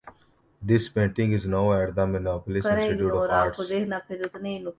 This painting is now at the Minneapolis Institute of Arts.